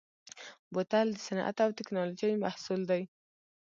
بوتل د صنعت او تکنالوژۍ محصول دی.